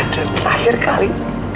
dan terakhir kali